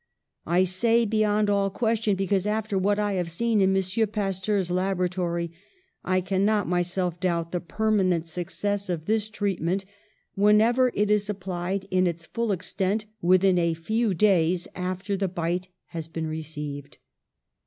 I say, beyond all question, because, after what I have seen in M. Pasteur's laboratory, I cannot myself doubt the permanent success of this treatment, whenever it is applied in its full extent within a few days after the bite has been received.